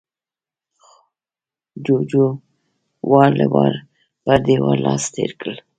جُوجُو وار له واره پر دېوال لاس تېر کړ